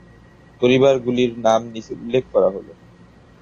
পরিবারগুলির নাম নিচে উল্লেখ করা হল।